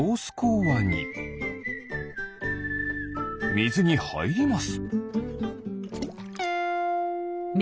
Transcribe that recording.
みずにはいります。